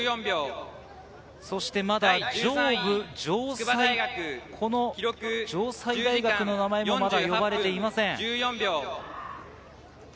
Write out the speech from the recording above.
まだ上武、城西大学の名前も呼ばれていません。